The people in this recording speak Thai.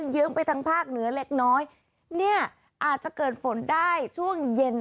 ยืมไปทางภาคเหนือเล็กน้อยเนี่ยอาจจะเกิดฝนได้ช่วงเย็น